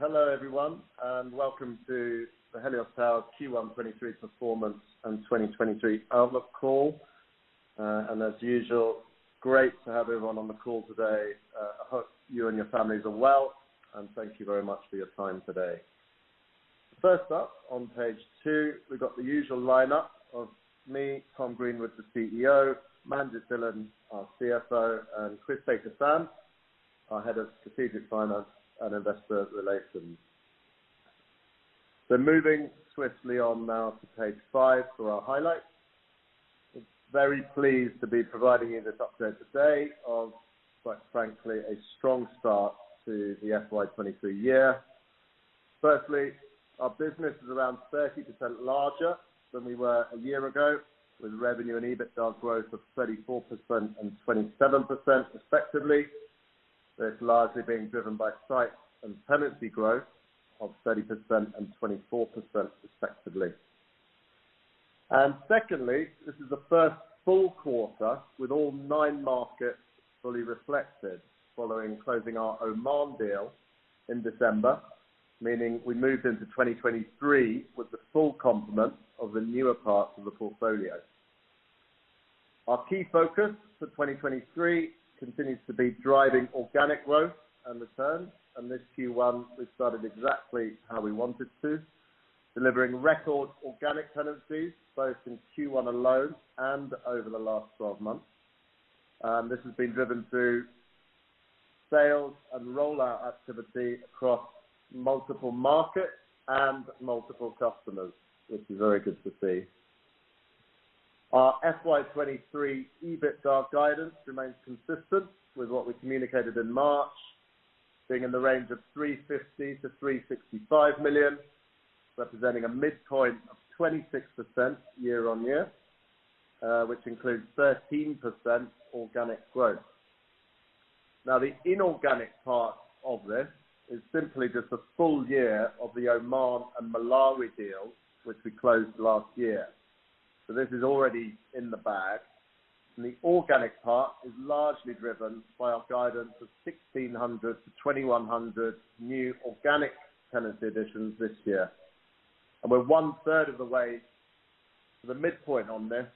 Hello everyone, and welcome to the Helios Towers Q1 2023 performance and 2023 outlook call. As usual, great to have everyone on the call today. I hope you and your families are well, and thank you very much for your time today. First up, on page two, we've got the usual lineup of me, Tom Greenwood, the CEO, Manjit Dhillon, our CFO, and Chris Baker-Sams, our Head of Strategic Finance and Investor Relations. Moving swiftly on now to page five for our highlights. Very pleased to be providing you this update today of, quite frankly, a strong start to the FY 2023 year. Firstly, our business is around 30% larger than we were a year ago, with revenue and EBITDA growth of 34% and 27% respectively. It's largely being driven by site and tenancy growth of 30% and 24% respectively. Secondly, this is the first full quarter with all nine markets fully reflected following closing our Omantel deal in December, meaning we moved into 2023 with the full complement of the newer parts of the portfolio. Our key focus for 2023 continues to be driving organic growth and returns, this Q1 we've started exactly how we wanted to, delivering record organic tenancies, both in Q1 alone and over the last 12 months. This has been driven through sales and rollout activity across multiple markets and multiple customers, which is very good to see. Our FY 2023 EBITDA guidance remains consistent with what we communicated in March, being in the range of $350 million-$365 million, representing a midpoint of 26% year-on-year, which includes 13% organic growth. The inorganic part of this is simply just a full year of the Oman and Malawi deals which we closed last year. This is already in the bag. The organic part is largely driven by our guidance of 1,600-2,100 new organic tenancy additions this year. We're one third of the way to the midpoint on this,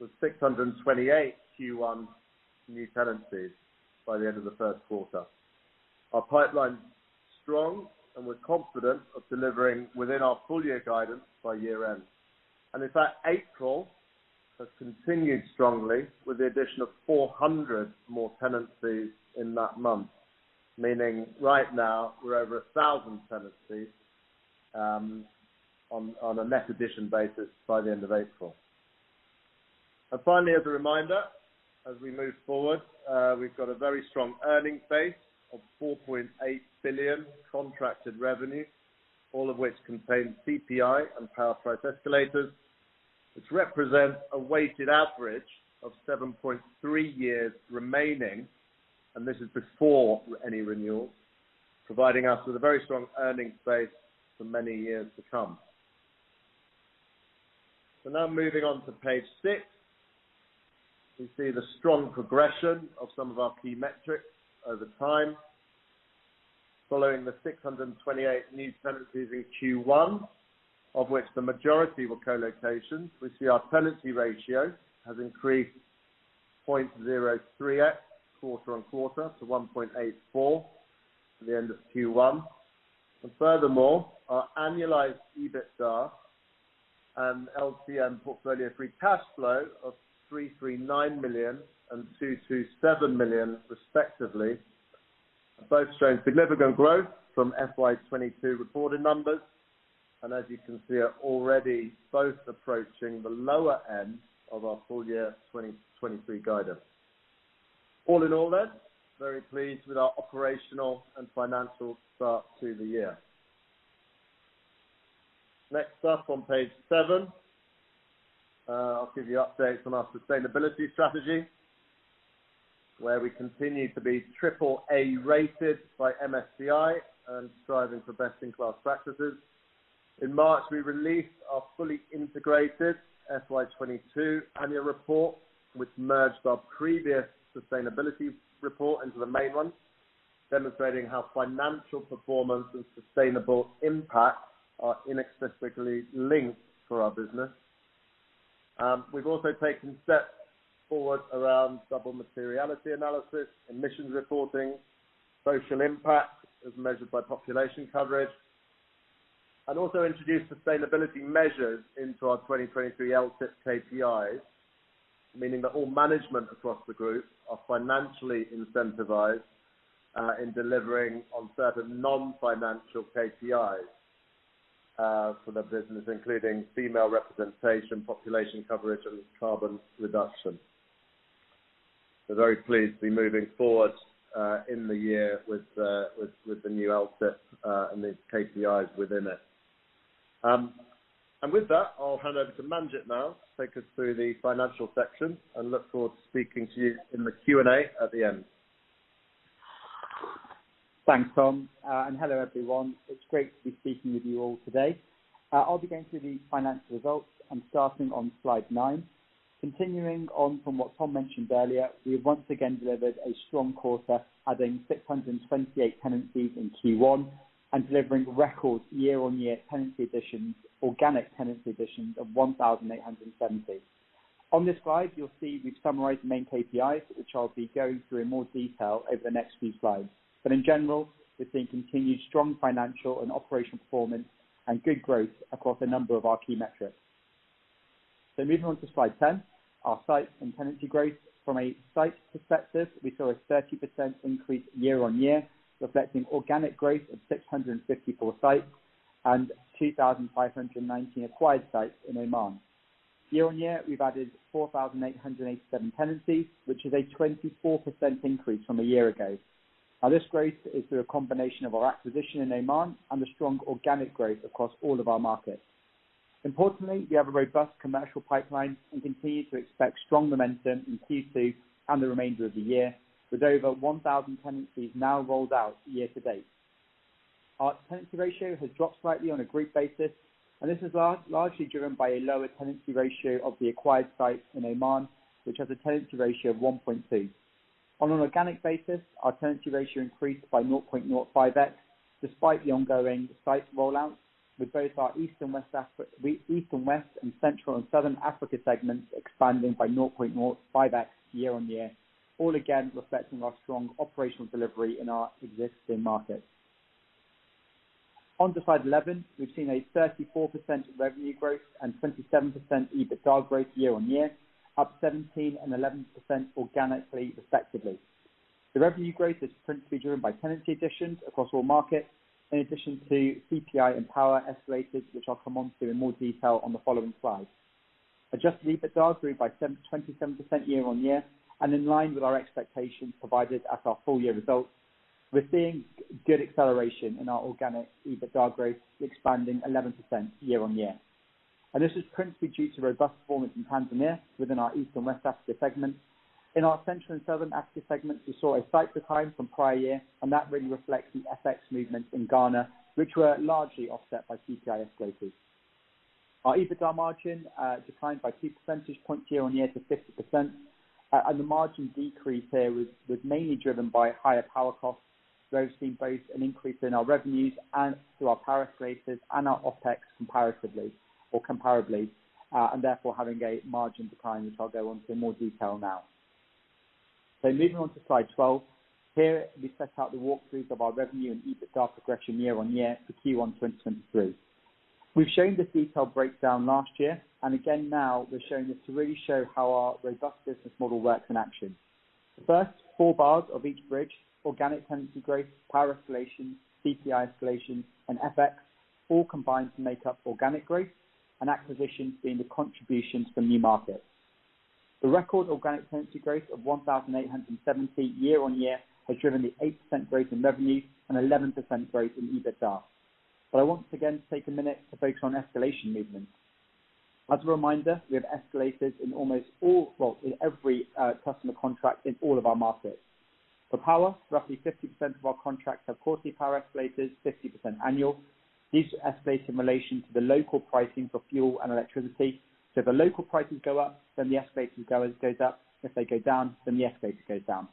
with 628 Q1 new tenancies by the end of the first quarter. Our pipeline's strong, and we're confident of delivering within our full year guidance by year end. In fact, April has continued strongly with the addition of 400 more tenancies in that month, meaning right now we're over 1,000 tenancies on a net addition basis by the end of April. Finally, as a reminder, as we move forward, we've got a very strong earnings base of $4.8 billion contracted revenue, all of which contains CPI and power price escalators, which represent a weighted average of 7.3 years remaining, and this is before any renewals, providing us with a very strong earnings base for many years to come. Now moving on to page six. We see the strong progression of some of our key metrics over time. Following the 628 new tenancies in Q1, of which the majority were co-locations, we see our tenancy ratio has increased 0.03x quarter-on-quarter to 1.84 at the end of Q1. Furthermore, our annualized EBITDA and LTM portfolio free cash flow of $339 million and $227 million respectively, both showing significant growth from FY 2022 reported numbers. As you can see, are already both approaching the lower end of our full year 2023 guidance. All in all, very pleased with our operational and financial start to the year. Next up on page seven, I'll give you updates on our sustainability strategy, where we continue to be AAA rated by MSCI and striving for best in class practices. In March, we released our fully integrated FY 2022 annual report, which merged our previous sustainability report into the main one, demonstrating how financial performance and sustainable impact are inexorably linked for our business. We've also taken steps forward around double materiality analysis, emissions reporting, social impact as measured by population coverage, and also introduced sustainability measures into our 2023 LTIP KPIs, meaning that all management across the group are financially incentivized in delivering on certain non-financial KPIs for the business, including female representation, population coverage, and carbon reduction. We're very pleased to be moving forward in the year with the new LTIP and the KPIs within it. With that, I'll hand over to Manjit now to take us through the financial section and look forward to speaking to you in the Q&A at the end. Thanks, Tom. Hello everyone. It's great to be speaking with you all today. I'll be going through the financial results and starting on slide nine. Continuing on from what Tom mentioned earlier, we have once again delivered a strong quarter, adding 628 tenancies in Q1 and delivering record year-on-year tenancy additions, organic tenancy additions of 1,870. On this slide, you'll see we've summarized the main KPIs, which I'll be going through in more detail over the next few slides. In general, we're seeing continued strong financial and operational performance and good growth across a number of our key metrics. Moving on to slide 10, our sites and tenancy growth from a sites perspective, we saw a 30% increase year-on-year, reflecting organic growth of 654 sites and 2,519 acquired sites in Oman. Year-on-year, we've added 4,887 tenancies, which is a 24% increase from a year ago. This growth is through a combination of our acquisition in Oman and the strong organic growth across all of our markets. Importantly, we have a robust commercial pipeline and continue to expect strong momentum in Q2 and the remainder of the year with over 1,000 tenancies now rolled out year-to-date. Our tenancy ratio has dropped slightly on a group basis, and this is largely driven by a lower tenancy ratio of the acquired sites in Oman, which has a tenancy ratio of 1.2. On an organic basis, our tenancy ratio increased by 0.05x despite the ongoing site rollouts with both our eastern, east and west and central and southern Africa segments expanding by 0.05x year-on-year, all again reflecting our strong operational delivery in our existing markets. To slide 11. We've seen a 34% revenue growth and 27% EBITDA growth year-on-year, up 17 and 11% organically, respectively. The revenue growth is principally driven by tenancy additions across all markets, in addition to CPI and power escalators, which I'll come onto in more detail on the following slide. Adjusted EBITDA grew by 27% year-on-year and in line with our expectations provided at our full year results. We're seeing good acceleration in our organic EBITDA growth, expanding 11% year-on-year. This is principally due to robust performance in Tanzania within our East and West Africa segment. In our Central and Southern Africa segment, we saw a slight decline from prior year, and that really reflects the FX movements in Ghana, which were largely offset by CPI escalators. Our EBITDA margin declined by 2 percentage points year-on-year to 50%. The margin decrease here was mainly driven by higher power costs. Those seeing both an increase in our revenues and through our power escalators and our OpEx comparatively or comparably, and therefore having a margin decline, which I'll go on to in more detail now. Moving on to slide 12. Here, we set out the walkthrough of our revenue and EBITDA progression year-on-year for Q1 2023. We've shown this detailed breakdown last year. Again now we're showing it to really show how our robust business model works in action. The first four bars of each bridge, organic tenancy growth, power escalation, CPI escalation, FX all combine to make up organic growth and acquisitions being the contributions from new markets. The record organic tenancy growth of 1,870 year-on-year has driven the 8% growth in revenue and 11% growth in EBITDA. I want again to take a minute to focus on escalation movements. As a reminder, we have escalators in almost all, well, in every customer contract in all of our markets. For power, roughly 50% of our contracts have quarterly power escalators, 50% annual. These escalate in relation to the local pricing for fuel and electricity. If the local prices go up, then the escalator goes up. If they go down, then the escalator goes down.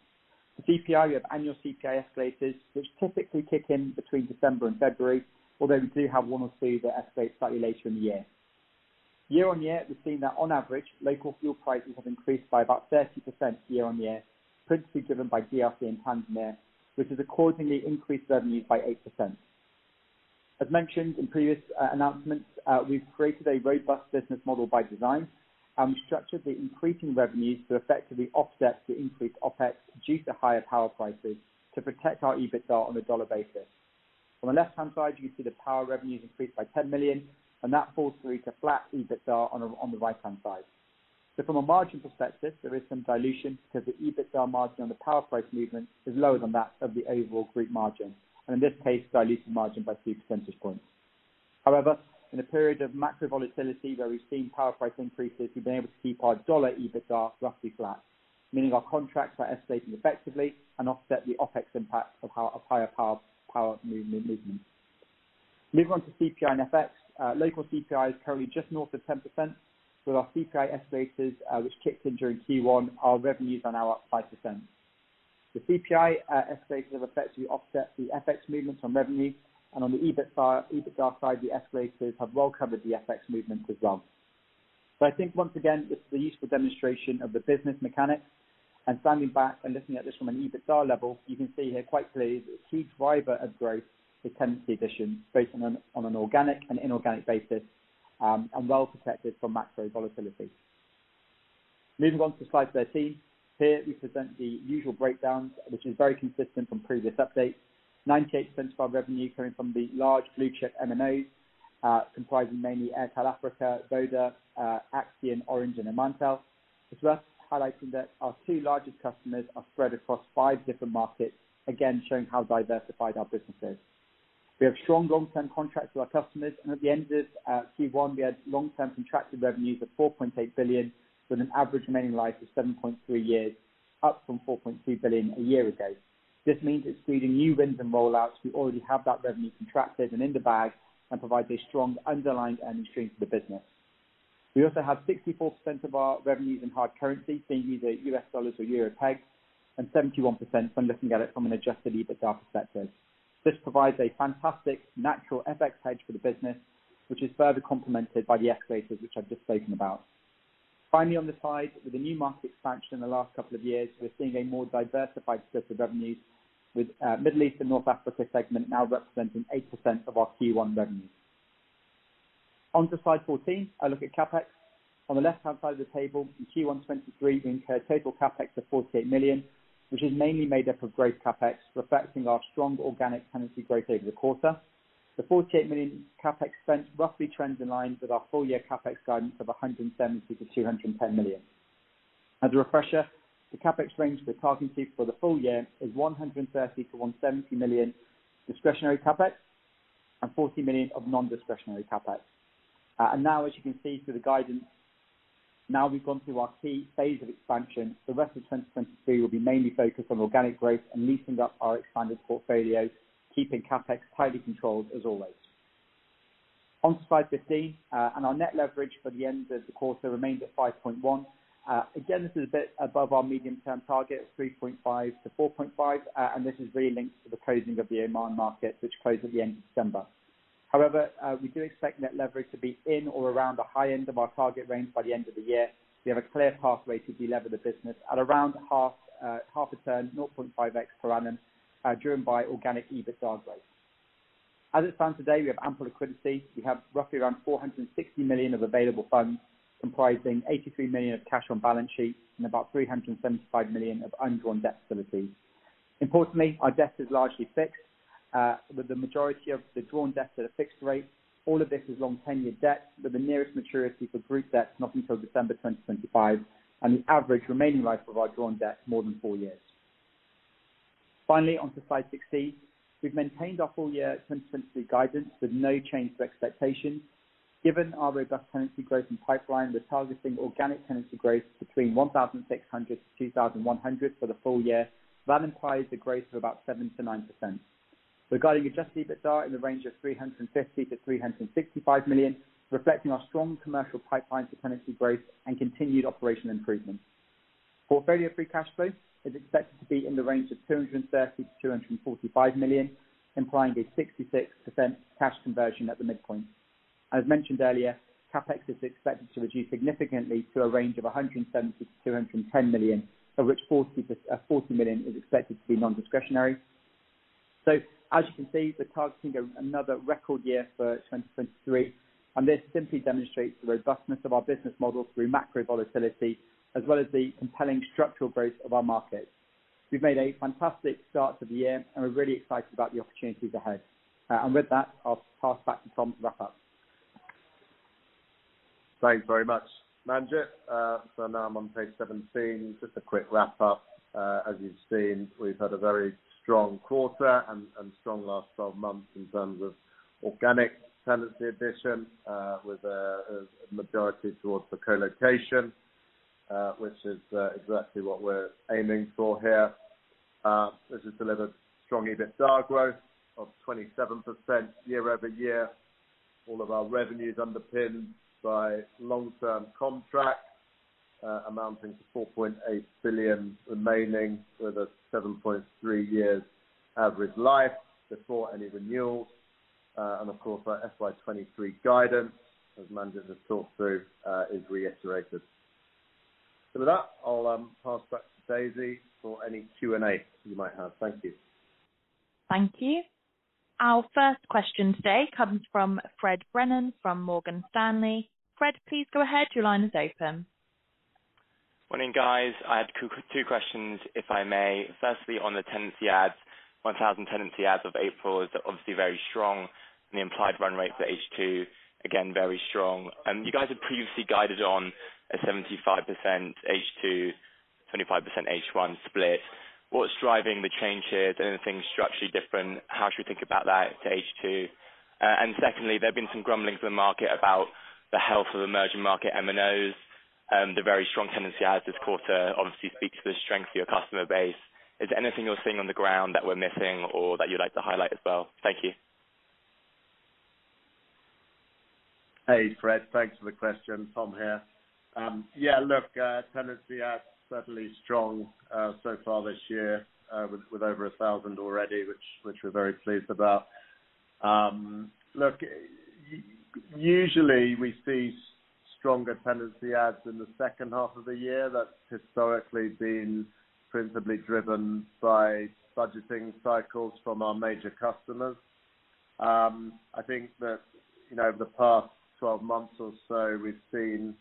For CPI, we have annual CPI escalators, which typically kick in between December and February, although we do have one or two that escalate slightly later in the year. Year-on-year, we've seen that on average, local fuel prices have increased by about 30% year-on-year, principally driven by DRC and Tanzania, which has accordingly increased revenue by 8%. As mentioned in previous announcements, we've created a robust business model by design, and we structured the increasing revenues to effectively offset the increased OpEx due to higher power prices to protect our EBITDA on a dollar basis. On the left-hand side, you can see the power revenues increased by $10 million, and that falls through to flat EBITDA on the, on the right-hand side. From a margin perspective, there is some dilution because the EBITDA margin on the power price movement is lower than that of the overall group margin, and in this case, dilutes the margin by 2 percentage points. However, in a period of macro volatility where we've seen power price increases, we've been able to keep our dollar EBITDA roughly flat, meaning our contracts are escalating effectively and offset the OpEx impact of higher power movement. Moving on to CPI and FX. Local CPI is currently just north of 10%. With our CPI escalators, which kicked in during Q1, our revenues are now up 5%. The CPI escalators have effectively offset the FX movements on revenue. On the EBITDA side, the escalators have well covered the FX movement as well. I think once again, this is a useful demonstration of the business mechanics. Standing back and looking at this from an EBITDA level, you can see here quite clearly the key driver of growth is tenancy additions based on an organic and inorganic basis, and well protected from macro volatility. Moving on to slide 13. Here we present the usual breakdowns, which is very consistent from previous updates. 98% of our revenue coming from the large blue-chip MNOs, comprising mainly Airtel Africa, Vodafone, Axian, Orange, and Omantel. It's worth highlighting that our 2 largest customers are spread across five different markets, again showing how diversified our business is. We have strong long-term contracts with our customers and at the end of Q1, we had long-term contracted revenues of $4.8 billion with an average remaining life of 7.3 years, up from $4.3 billion a year ago. This means it's creating new wins and rollouts. We already have that revenue contracted and in the bag and provides a strong underlying earning stream for the business. We also have 64% of our revenues in hard currency, so either US dollars or euro pegged, and 71% when looking at it from an adjusted EBITDA perspective. This provides a fantastic natural FX hedge for the business, which is further complemented by the accelerators which I've just spoken about. Finally, on the side, with the new market expansion in the last couple of years, we're seeing a more diversified set of revenues with Middle East and North Africa segment now representing 8% of our Q1 revenue. On slide 14, I look at CapEx. On the left-hand side of the table, in Q1 2023 we incurred total CapEx of $48 million, which is mainly made up of growth CapEx, reflecting our strong organic tenancy growth over the quarter. The $48 million CapEx spent roughly trends in line with our full year CapEx guidance of $170 million-$210 million. As a refresher, the CapEx range we're targeting for the full year is $130 million-$170 million discretionary CapEx and $40 million of non-discretionary CapEx. Now, as you can see through the guidance, now we've gone through our key phase of expansion. The rest of 2023 will be mainly focused on organic growth and leasing up our expanded portfolio, keeping CapEx tightly controlled as always. On to slide 15, our net leverage for the end of the quarter remains at 5.1. Again, this is a bit above our medium-term target of 3.5-4.5. This is really linked to the closing of the Oman market, which closed at the end of December. However, we do expect net leverage to be in or around the high end of our target range by the end of the year. We have a clear pathway to deliver the business at around half a turn, 0.5x per annum, driven by organic EBITDAR growth. As it stands today, we have ample liquidity. We have roughly around $460 million of available funds, comprising $83 million of cash on balance sheet and about $375 million of undrawn debt facilities. Importantly, our debt is largely fixed, with the majority of the drawn debt at a fixed rate. All of this is long tenure debt, with the nearest maturity for group debt not until December 2025, and the average remaining life of our drawn debt more than four years. Finally, on to slide 16. We've maintained our full year 10% guidance with no change to expectations. Given our robust tenancy growth and pipeline, we're targeting organic tenancy growth between 1,600-2,100 for the full year. That implies a growth of about 7%-9%. Regarding adjusted EBITDAR in the range of $350 million-$365 million, reflecting our strong commercial pipeline for tenancy growth and continued operational improvement. Portfolio free cash flow is expected to be in the range of $230 million-$245 million, implying a 66% cash conversion at the midpoint. As mentioned earlier, CapEx is expected to reduce significantly to a range of $170 million-$210 million, of which $40 million is expected to be non-discretionary. As you can see, we're targeting another record year for 2023, this simply demonstrates the robustness of our business model through macro volatility as well as the compelling structural growth of our markets. We've made a fantastic start to the year, we're really excited about the opportunities ahead. With that, I'll pass back to Tom to wrap up. Thanks very much, Manjit. Now I'm on page 17. Just a quick wrap-up. As you've seen, we've had a very strong quarter and strong last 12 months in terms of organic tenancy addition, with a majority towards the co-location, which is exactly what we're aiming for here. This has delivered strong EBITDAR growth of 27% year-over-year. All of our revenues underpinned by long-term contracts, amounting to $4.8 billion remaining with a 7.3 years average life before any renewals. Of course, our FY 2023 guidance, as Manjit has talked through, is reiterated. With that, I'll pass back to Daisy for any Q&A you might have. Thank you. Thank you. Our first question today comes from Fred Brennan from Morgan Stanley. Fred Brennan, please go ahead. Your line is open. Morning, guys. I have two questions, if I may. Firstly, on the tenancy adds. 1,000 tenancy adds of April is obviously very strong and the implied run rate for H2, again, very strong. You guys had previously guided on a 75% H2, 25% H1 split. What's driving the changes? Anything structurally different? How should we think about that to H2? Secondly, there have been some grumblings in the market about the health of emerging market MNOs. The very strong tenancy adds this quarter obviously speaks to the strength of your customer base. Is there anything you're seeing on the ground that we're missing or that you'd like to highlight as well? Thank you. Hey, Fred. Thanks for the question. Tom here. Yeah, look, tenancy adds certainly strong so far this year, with over 1,000 already, which we're very pleased about. Look, usually we see stronger tenancy adds in the second half of the year. That's historically been principally driven by budgeting cycles from our major customers. I think that, you know, over the past 12 months or so, we've seen,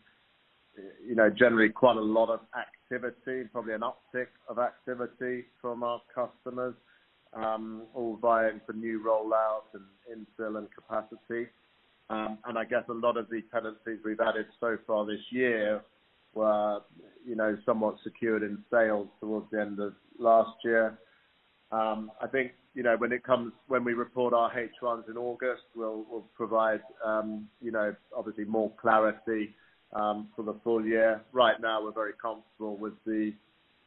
you know, generally quite a lot of activity, probably an uptick of activity from our customers, all vying for new rollouts and infill and capacity. I guess a lot of these tenancies we've added so far this year were, you know, somewhat secured in sales towards the end of last year. I think, you know, when we report our H1s in August, we'll provide, you know, obviously more clarity for the full year. Right now, we're very comfortable with the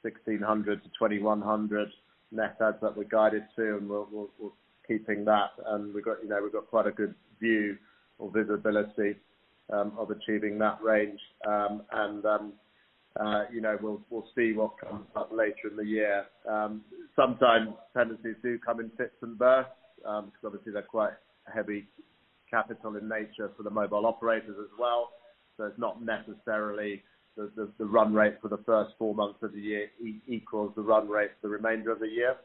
1,600-2,100 net adds that we guided to, and we're keeping that. We've got, you know, we've got quite a good view or visibility of achieving that range. You know, we'll see what comes up later in the year. Sometimes tenancies do come in fits and bursts, because obviously they're quite heavy capital in nature for the mobile operators as well. It's not necessarily the run rate for the first four months of the year equals the run rate for the remainder of the year.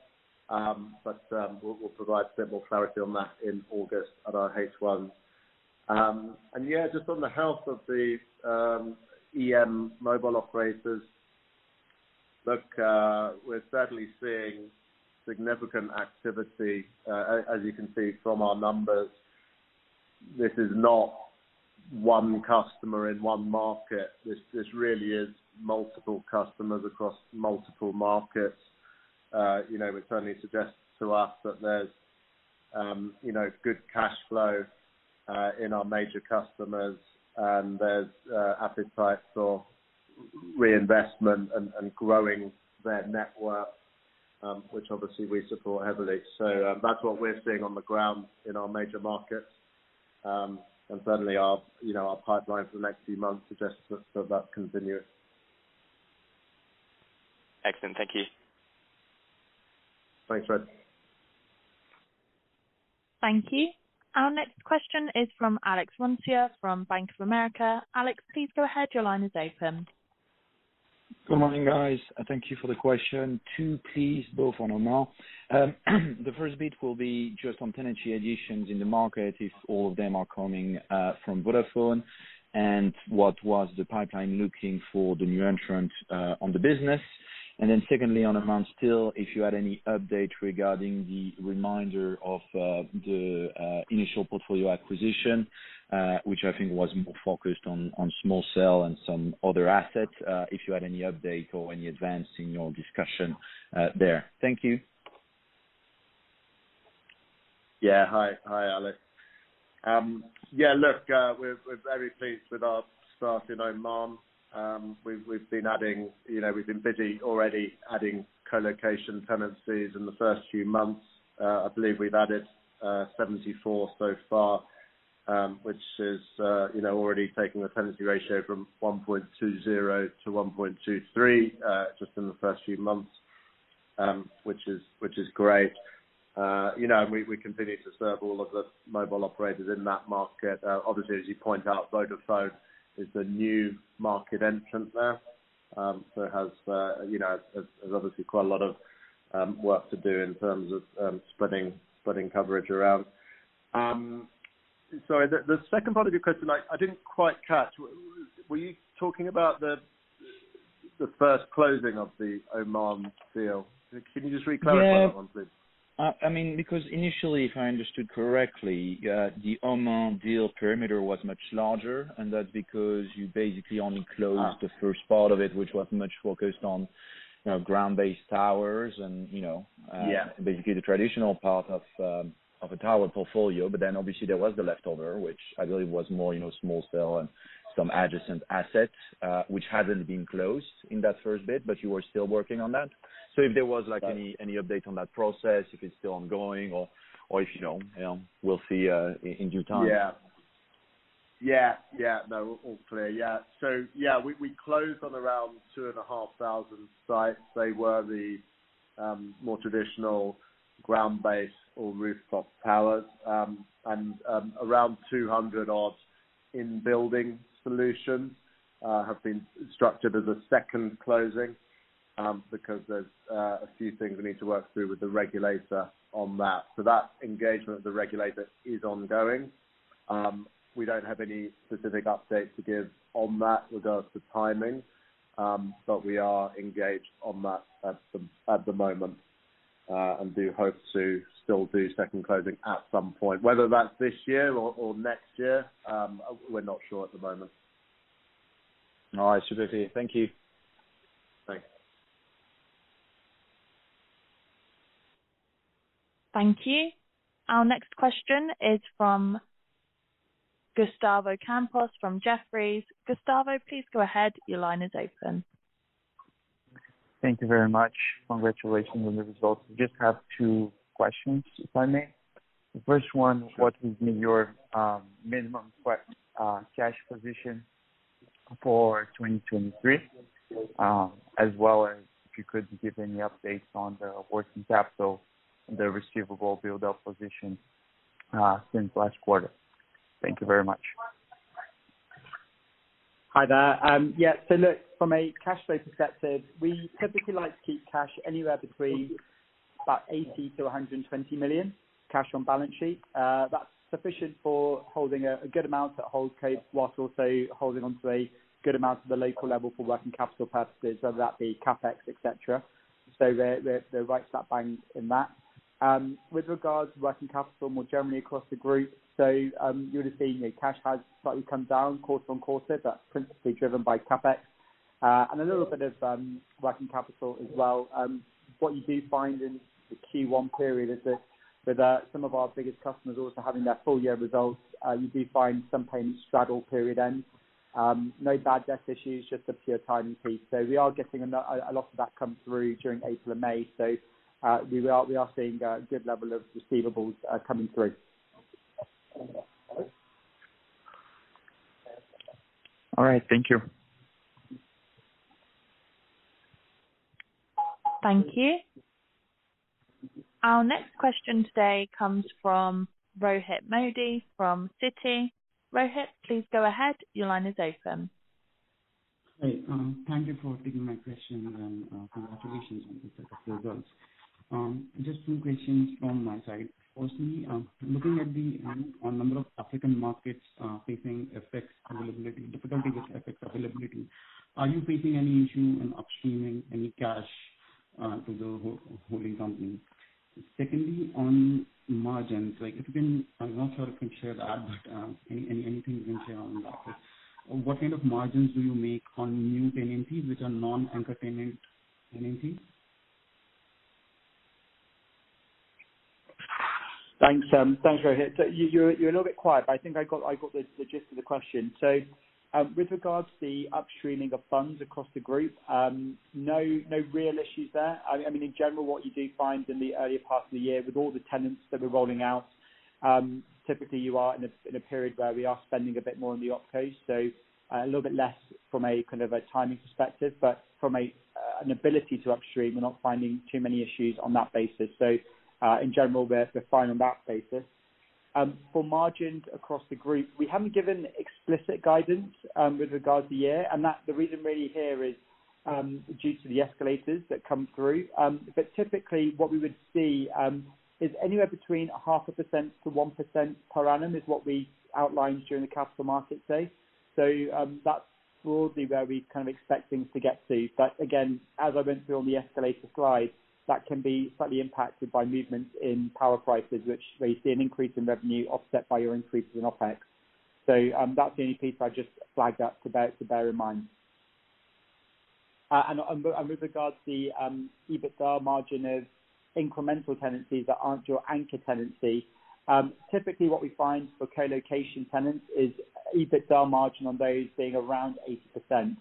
We'll provide simple clarity on that in August at our H1. Just on the health of the EM mobile operators, look, we're certainly seeing significant activity. As you can see from our numbers, this is not one customer in one market. This really is multiple customers across multiple markets. You know, which certainly suggests to us that there's, you know, good cash flow in our major customers, and there's appetite for reinvestment and growing their network, which obviously we support heavily. That's what we're seeing on the ground in our major markets. Certainly our, you know, our pipeline for the next few months suggests that that's continuous. Excellent. Thank you. Thanks, Fred. Thank you. Our next question is from Alex Roncier from Bank of America. Alex, please go ahead. Your line is open. Good morning, guys. Thank you for the question. Two please, both on Oman. The first bit will be just on tenancy additions in the market, if all of them are coming from Vodafone, and what was the pipeline looking for the new entrant on the business. Secondly, on Oman still, if you had any update regarding the reminder of the initial portfolio acquisition, which I think was more focused on small cell and some other assets, if you had any update or any advance in your discussion there. Thank you. Hi. Hi, Alex. Look, we're very pleased with our start in Oman. We've been adding. You know, we've been busy already adding co-location tenancies in the first few months. I believe we've added 74 so far, which is, you know, already taking the tenancy ratio from 1.20 to 1.23 just in the first few months, which is great. You know, we continue to serve all of the mobile operators in that market. Obviously, as you point out, Vodafone is the new market entrant there, has, you know, obviously quite a lot of work to do in terms of spreading coverage around. Sorry, the second part of your question, I didn't quite catch. Were you talking about the first closing of the Oman deal? Can you just re-clarify? Yeah that one, please? I mean, initially, if I understood correctly, the Oman deal perimeter was much larger, and that's because you basically only closed. Ah. The first part of it, which was much focused on, you know, ground-based towers and, you know. Yeah. basically the traditional part of a tower portfolio. Obviously there was the leftover, which I believe was more, you know, small cell and some adjacent assets, which hasn't been closed in that first bit, but you are still working on that. Yeah. If there was, like, any update on that process, if it's still ongoing or if, you know, we'll see in due time. Yeah. No, all clear. Yeah. Yeah, we closed on around 2,500 sites. They were the more traditional ground-based or rooftop towers. Around 200 odds in-building solutions have been structured as a second closing because there's a few things we need to work through with the regulator on that. That engagement with the regulator is ongoing. We don't have any specific updates to give on that regards to timing. We are engaged on that at the moment and do hope to still do second closing at some point. Whether that's this year or next year, we're not sure at the moment. All right. Thank you. Thanks. Thank you. Our next question is from Gustavo Campos from Jefferies. Gustavo, please go ahead. Your line is open. Thank you very much. Congratulations on the results. I just have two questions, if I may. Sure. The first one, what would be your minimum cash position for 2023? As well as if you could give any updates on the working capital and the receivable build-up position since last quarter? Thank you very much. Hi there. Yeah, look, from a cash flow perspective, we typically like to keep cash anywhere between about $80 million-$120 million cash on balance sheet. That's sufficient for holding a good amount at HoldCo whilst also holding onto a good amount at the local level for working capital purposes, whether that be CapEx, et cetera. They're right slap bang in that. With regards to working capital more generally across the group. You would have seen your cash has slightly come down quarter-on-quarter. That's principally driven by CapEx and a little bit of working capital as well. What you do find in the Q1 period is that with some of our biggest customers also having their full year results, you do find sometimes straddle period end. No bad debt issues, just a pure timing piece. We are getting a lot of that come through during April and May. We are seeing a good level of receivables coming through. All right. Thank you. Thank you. Our next question today comes from Rohit Modi from Citi. Rohit, please go ahead. Your line is open. Hey, thank you for taking my question. Congratulations on the set of results. Just two questions from my side. Firstly, looking at the number of African markets facing FX availability, difficulty with FX availability, are you facing any issue in upstreaming any cash to the holding company? Secondly, on margins, like I'm not sure if you can share that, but anything you can share on that, what kind of margins do you make on new tenancies which are non-anchor tenant tenancies? Thanks. Thanks, Rohit. You're a little bit quiet, but I think I got the gist of the question. With regards to the upstreaming of funds across the group, no real issues there. I mean, in general, what you do find in the earlier part of the year with all the tenants that we're rolling out, typically you are in a period where we are spending a bit more in the OpCo. A little bit less from a kind of a timing perspective, but from an ability to upstream, we're not finding too many issues on that basis. In general we're fine on that basis. For margins across the group, we haven't given explicit guidance with regard to the year, the reason really here is due to the escalators that come through. Typically what we would see is anywhere between a 0.5%-1% per annum is what we outlined during the Capital Markets Day. That's broadly where we kind of expect things to get to. Again, as I went through on the escalator slide, that can be slightly impacted by movements in power prices, which where you see an increase in revenue offset by your increases in OpEx. That's the only piece I'd just flag up to bear in mind. With regards the EBITDA margin of incremental tenancies that aren't your anchor tenancy, typically what we find for co-location tenants is EBITDA margin on those being around 80%.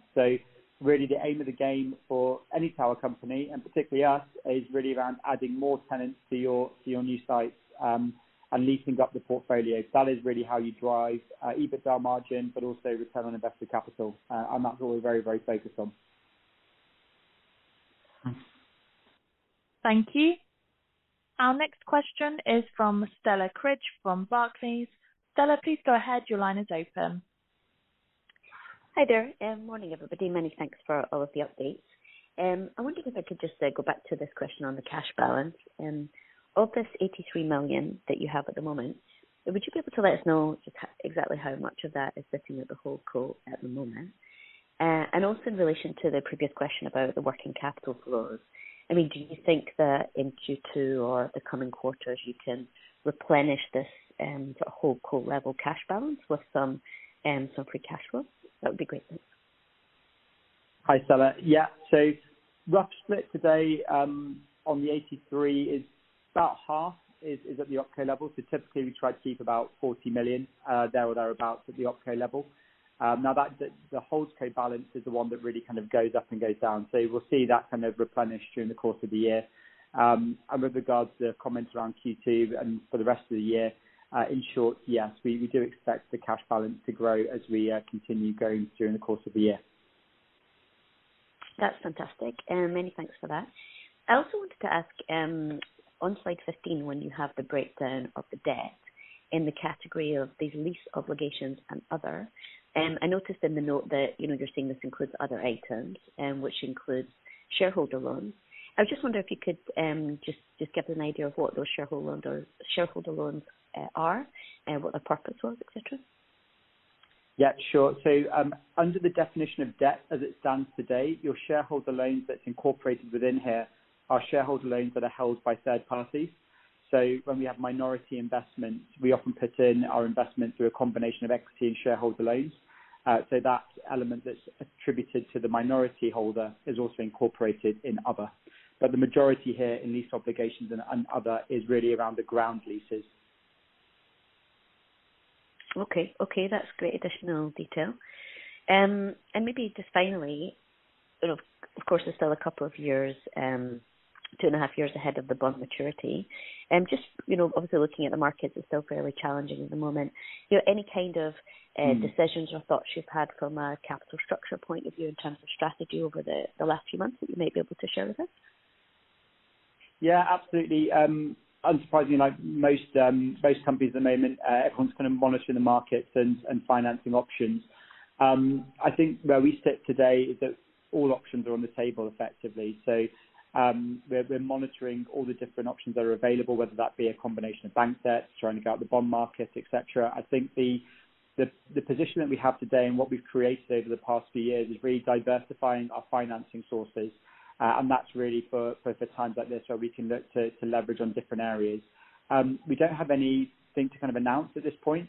Really the aim of the game for any tower company, and particularly us, is really around adding more tenants to your new sites, and leasing up the portfolio. That is really how you drive EBITDA margin, but also return on invested capital. That's what we're very, very focused on. Thanks. Thank you. Our next question is from Stella Cridge from Barclays. Stella, please go ahead. Your line is open. Hi there. Morning, everybody. Many thanks for all of the updates. I wonder if I could just go back to this question on the cash balance. Of this $83 million that you have at the moment, would you be able to let us know just exactly how much of that is sitting at the HoldCo at the moment? Also in relation to the previous question about the working capital flows, I mean, do you think that in Q2 or the coming quarters you can replenish this HoldCo level cash balance with some free cash flows? That would be great. Thanks. Hi, Stella. Yeah. Rough split today, on the $83 is about half is at the OpCo level. Typically we try to keep about $40 million, there or thereabouts at the OpCo level. Now that the HoldCo balance is the one that really kind of goes up and goes down. We'll see that kind of replenish during the course of the year. With regards the comments around Q2 and for the rest of the year, in short, yes, we do expect the cash balance to grow as we, continue going through in the course of the year. That's fantastic, and many thanks for that. I also wanted to ask, on slide 15 when you have the breakdown of the debt in the category of these lease obligations and other, I noticed in the note that, you know, you're saying this includes other items, which includes shareholder loans. I was just wonder if you could just give us an idea of what those shareholder loans or shareholder loans are and what their purpose was, et cetera. Yeah, sure. Under the definition of debt as it stands today, your shareholder loans that's incorporated within here are shareholder loans that are held by third parties. When we have minority investments, we often put in our investment through a combination of equity and shareholder loans. That element that's attributed to the minority holder is also incorporated in other. The majority here in lease obligations and other is really around the ground leases. Okay. That's great additional detail. Maybe just finally, you know, of course there's still a couple of years, 2.5 years ahead of the bond maturity. Just, you know, obviously looking at the markets is still fairly challenging at the moment. You know, any kind of decisions or thoughts you've had from a capital structure point of view in terms of strategy over the last few months that you may be able to share with us? Absolutely. Unsurprisingly, like most companies at the moment, everyone's kind of monitoring the markets and financing options. I think where we sit today is that all options are on the table effectively. We're, we're monitoring all the different options that are available, whether that be a combination of bank debts, trying to go out to the bond market, et cetera. I think the, the position that we have today and what we've created over the past few years is really diversifying our financing sources. That's really for times like this, where we can look to leverage on different areas. We don't have anything to kind of announce at this point,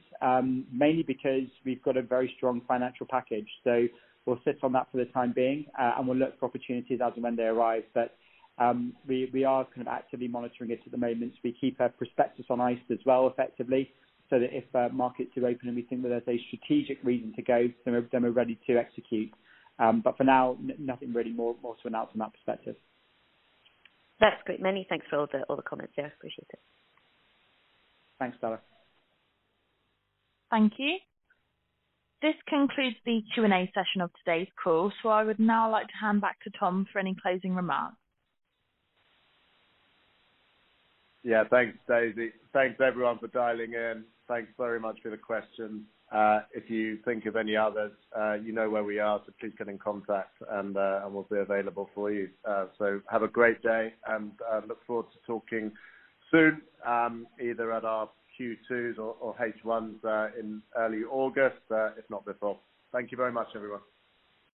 mainly because we've got a very strong financial package. We'll sit on that for the time being, and we'll look for opportunities as and when they arise. We are kind of actively monitoring it at the moment. We keep our prospectus on ice as well, effectively, so that if markets do open and we think that there's a strategic reason to go, then we're ready to execute. For now, nothing really more to announce from that perspective. That's great. Many thanks for all the comments. Yeah, appreciate it. Thanks, Stella. Thank you. This concludes the Q&A session of today's call, so I would now like to hand back to Tom for any closing remarks. Yeah. Thanks, Daisy. Thanks everyone for dialing in. Thanks very much for the questions. If you think of any others, you know where we are, so please get in contact and we'll be available for you. Have a great day and look forward to talking soon, either at our Q2s or H1s in early August, if not before. Thank you very much, everyone.